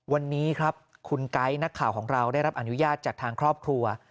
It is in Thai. วันนี้ครับคุณไก๊นักข่าวของเราได้รับอนุญาตจากทางครอบครัว